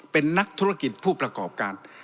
เป็นนักธุรกิจผู้ประกอบการ